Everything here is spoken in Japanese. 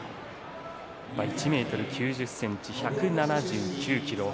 １ｍ９０ｃｍ、１７９ｋｇ。